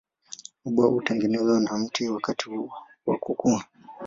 Ubao hutengenezwa na mti wakati wa kukua.